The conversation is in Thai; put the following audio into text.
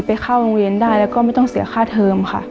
เข้าโรงเรียนได้แล้วก็ไม่ต้องเสียค่าเทิมค่ะ